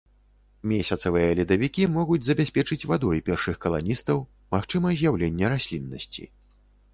Месяцавыя ледавікі могуць забяспечыць вадой першых каланістаў, магчыма з'яўленне расліннасці.